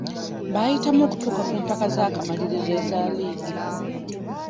Baayitamu okutuuka ku mpaka z'akamalirizo eza liigi..